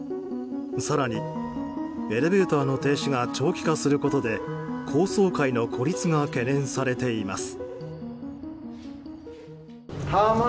更に、エレベーターの停止が長期化することで高層階の孤立が懸念されています。